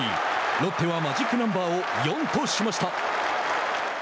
ロッテはマジックナンバーを４としました。